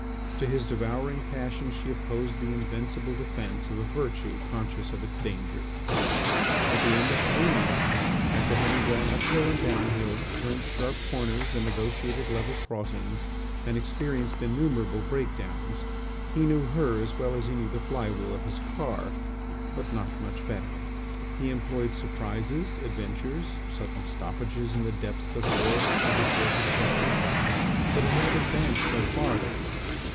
To his devouring passion she opposed the invincible defence of a virtue conscious of its danger. At the end of three months, after having gone uphill and down hill, turned sharp corners, and negotiated level crossings, and experienced innumerable break downs, he knew her as well as he knew the fly wheel of his car, but not much better. He employed surprises, adventures, sudden stoppages in the depths of forests and before hotels, but he had advanced no farther.